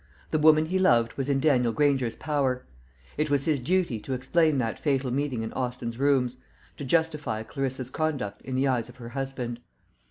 The woman he loved was in Daniel Granger's power; it was his duty to explain that fatal meeting in Austin's rooms, to justify Clarissa's conduct in the eyes of her husband.